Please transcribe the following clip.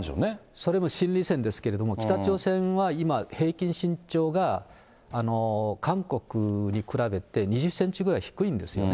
それも心理戦ですけれども、北朝鮮は今、平均身長が韓国に比べて２０センチぐらい低いんですよね。